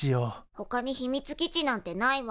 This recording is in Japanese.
ほかに秘密基地なんてないわ。